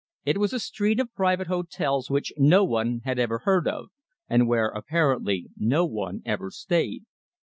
It was a street of private hotels which no one had ever heard of, and where apparently no one ever stayed.